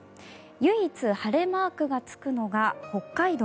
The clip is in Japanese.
唯一、晴れマークがつくのが北海道。